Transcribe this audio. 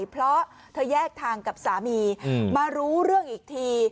เพราะเธอแยกทางกับสามีมารู้เรื่องอีกที